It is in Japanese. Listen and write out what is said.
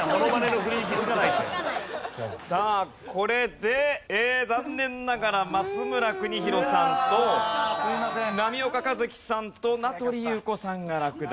さあこれで残念ながら松村邦洋さんと波岡一喜さんと名取裕子さんが落第です。